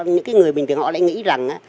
những cái người bình thường họ lại nghĩ rằng